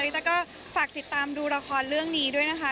แต่ก็ฝากติดตามดูละครเรื่องนี้ด้วยนะคะ